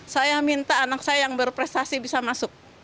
saya minta anak saya yang berprestasi bisa masuk